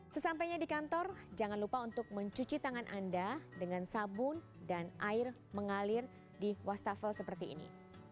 sesampainya di kantor jangan lupa untuk mencuci tangan anda dengan sabun dan air mengalir di wastafel seperti ini